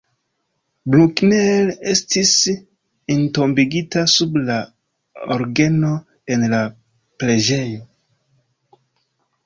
Bruckner estis entombigita sub la orgeno en la preĝejo.